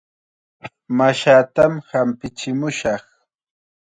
Mashaatam hampichimushaq.